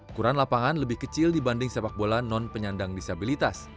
ukuran lapangan lebih kecil dibanding sepak bola non penyandang disabilitas